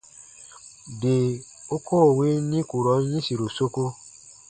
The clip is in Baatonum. Bii u koo win nikurɔn yĩsiru soku.